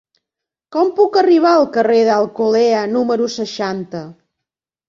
Com puc arribar al carrer d'Alcolea número seixanta?